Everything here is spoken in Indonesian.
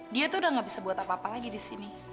dia tuh udah gak bisa buat apa apa lagi di sini